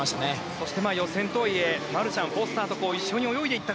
そして予選とはいえマルシャン、フォスターと一緒に泳いでいった。